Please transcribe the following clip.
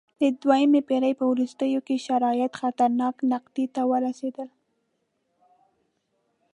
د دویمې پېړۍ په وروستیو کې شرایط خطرناکې نقطې ته ورسېدل